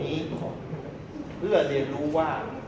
มันเป็นสิ่งที่เราไม่รู้สึกว่า